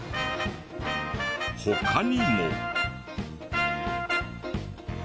他にも。